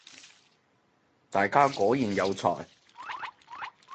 大家果然有才